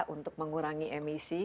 untuk mengurangi emisi